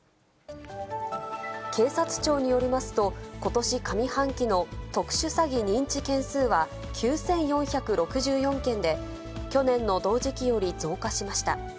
警察庁によりますと、ことし上半期の特殊詐欺認知件数は９４６４件で、去年の同時期より増加しました。